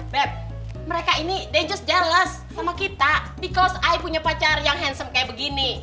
babe mereka ini they just jealous sama kita because i punya pacar yang handsome kayak begini